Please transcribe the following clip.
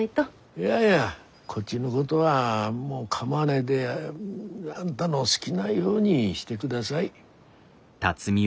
いやいやこっちのことはもうかまわないであんだの好ぎなようにしてください。